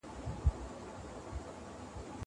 کېدای سي لوښي نم وي.